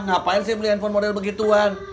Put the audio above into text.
ngapain sih beli handphone model begituan